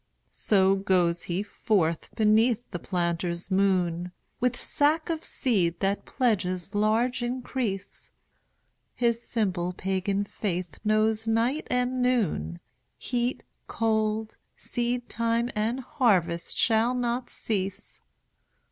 So goes he forth beneath the planter's moon With sack of seed that pledges large increase, His simple pagan faith knows night and noon, Heat, cold, seedtime and harvest shall not cease.